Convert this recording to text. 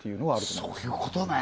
そういうことね